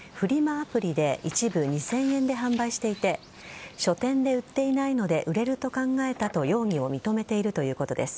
アプリで１部２０００円で販売していて書店で売っていないので売れると考えたと容疑を認めているということです。